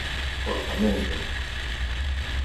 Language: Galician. Orzamento.